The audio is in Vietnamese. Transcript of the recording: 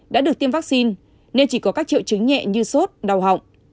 đã được tiêm vaccine nên chỉ có các triệu chứng nhẹ như sốt đau họng